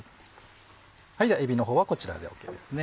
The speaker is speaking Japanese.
ではえびの方はこちらでＯＫですね。